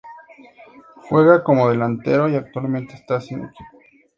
Juega como delantero y actualmente está sin equipo.